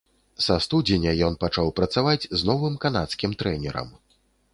Са студзеня ён пачаў працаваць з новым канадскім трэнерам.